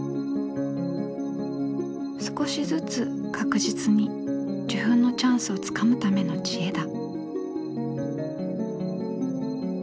少しずつ確実に受粉のチャンスをつかむための知恵だ。